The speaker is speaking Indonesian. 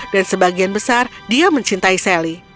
dan sebagian besar dia mencintai sally